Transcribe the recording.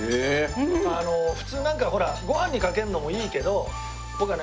普通なんかほらご飯にかけるのもいいけど僕はね